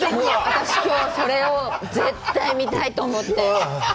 私きょう、それを絶対見たいと思って。